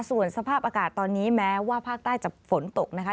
ส่วนสภาพอากาศตอนนี้แม้ว่าภาคใต้จะฝนตกนะคะ